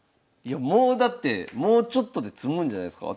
もうだってもうちょっとで詰むんじゃないすか？